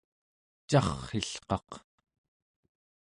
carr'ilqaq